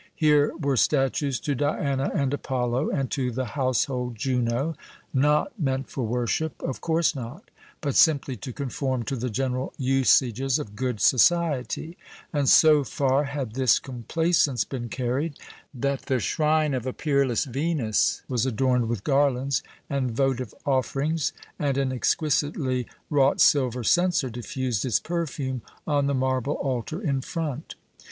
Here were statues to Diana and Apollo, and to the household Juno not meant for worship of course not but simply to conform to the general usages of good society; and so far had this complaisance been carried, that the shrine of a peerless Venus was adorned with garlands and votive offerings, and an exquisitely wrought silver censer diffused its perfume on the marble altar in front.